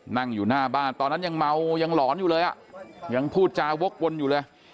นั่งอยู่หน้าบ้านตอนนั้นยังเมายังหลอนอยู่เลยอ่ะยังพูดจาวกวนอยู่เลย